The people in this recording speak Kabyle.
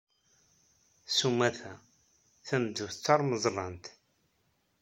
S umata, tameddurt d tarmeẓlant